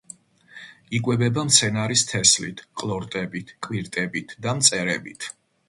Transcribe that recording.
იკვებება მცენარის თესლით, ყლორტებით, კვირტებით და მწერებით.